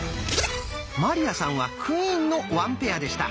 鞠杏さんはクイーンの「ワンペア」でした。